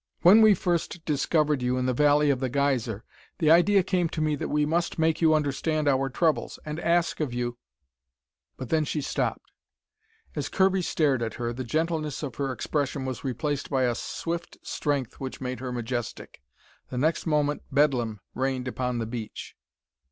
When we first discovered you in the Valley of the Geyser, the idea came to me that we must make you understand our troubles, and ask of you " But then she stopped. As Kirby stared at her, the gentleness of her expression was replaced by a swift strength which made her majestic. The next moment bedlam reigned upon the beach.